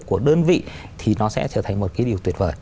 của đơn vị thì nó sẽ trở thành một cái điều tuyệt vời